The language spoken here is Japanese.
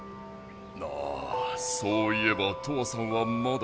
ああそういえばトアさんはまだ。